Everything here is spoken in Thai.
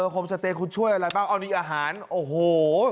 โฮมสเตย์คุณช่วยอะไรบ้างเอานี่อาหารโอ้โห